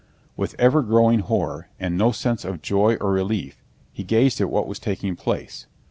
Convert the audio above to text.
With ever growing horror, and no sense of joy or relief, he gazed at what was taking place.